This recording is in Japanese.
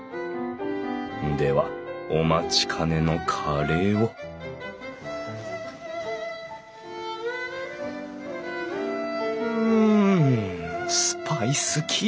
ではお待ちかねのカレーをうんスパイスきいてる！